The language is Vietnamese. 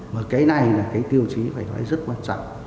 mà cái này là cái tiêu chí phải nói rất quan trọng